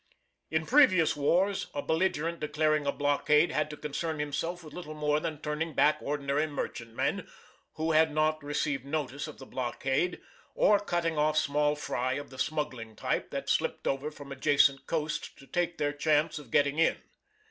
In previous wars a belligerent declaring a blockade had to concern himself with little more than turning back ordinary merchantmen who had not received notice of the blockade, or cutting off small fry of the smuggling type that slipped over from adjacent coasts to take their chance of getting in.